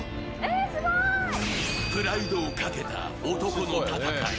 プライドをかけた男の戦い。